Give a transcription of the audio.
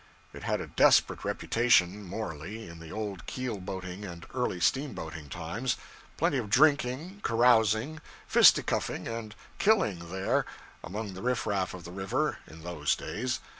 It had a desperate reputation, morally, in the old keel boating and early steamboating times plenty of drinking, carousing, fisticuffing, and killing there, among the riff raff of the river, in those days.